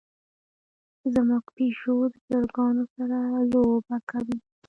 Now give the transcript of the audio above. زمونږ پیشو د چرګانو سره لوبه کوي.